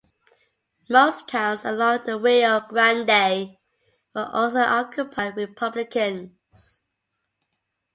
Most towns along the Rio Grande were also occupied by republicans.